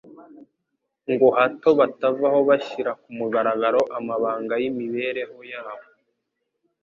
ngo hato batavaho bashyira ku mugaragaro amabanga y’imibereho yabo